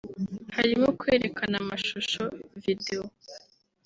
harimo kwerekana amashusho